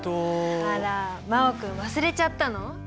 あら真旺君忘れちゃったの？